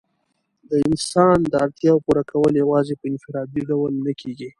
د انسان د اړتیا پوره کول یوازي په انفرادي ډول نه کيږي.